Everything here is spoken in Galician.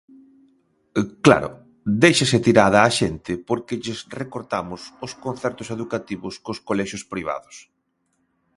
Claro, déixase tirada á xente porque lles recortamos os concertos educativos cos colexios privados.